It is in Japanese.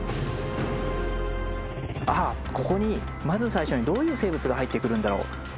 ああここにまず最初にどういう生物が入ってくるんだろう。